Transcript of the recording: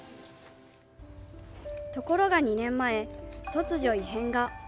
ところが２年前、突如異変が。